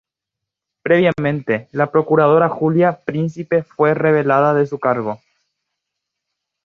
Previamente, la procuradora Julia Príncipe fue relevada de su cargo.